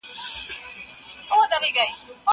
هغه څوک چي بوټونه پاکوي روغ اوسي!؟